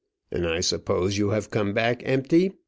"And I suppose you have come back empty?"